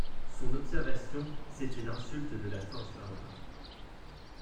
Son observation, c'était l'insulte de la force barbare.